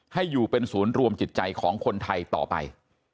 ให้อยู่เป็นศูนย์รวมจิตใจของคนไทยต่อไป